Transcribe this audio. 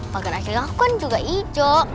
pagar akhirnya aku kan juga hijau